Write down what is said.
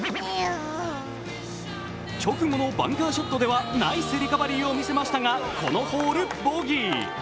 直後のバンカーショットではナイスリカバリーを見せましたがこのホール、ボギー。